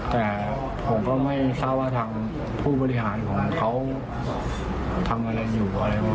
แต่ผมก็ไม่ทราบว่าทางผู้บริหารของเขาทำอะไรอยู่อะไร